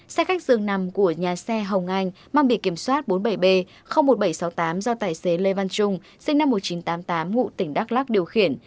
xe khách dường nằm của nhà xe hồng anh mang bị kiểm soát bốn mươi bảy b một nghìn bảy trăm sáu mươi tám do tài xế lê văn trung sinh năm một nghìn chín trăm tám mươi tám ngụ tỉnh đắk lắc điều khiển